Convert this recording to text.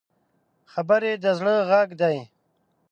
خبرې د زړه غږ دی